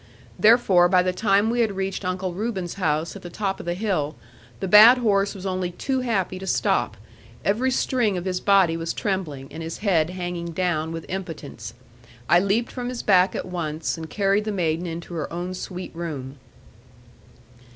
Therefore by the time we had reached Uncle Reuben's house at the top of the hill, the bad horse was only too happy to stop; every string of his body was trembling, and his head hanging down with impotence. I leaped from his back at once, and carried the maiden into her own sweet room.